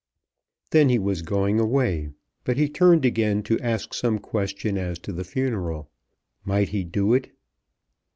Then he was going away; but he turned again to ask some question as to the funeral. Might he do it.